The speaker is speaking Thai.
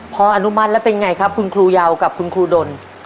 พออนุมัติแล้วเป็นไงครับคุณครูยาวกับคุณครูดน